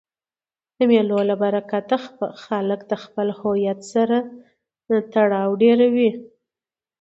د مېلو له برکته خلک د خپل هویت سره تړاو ډېروي.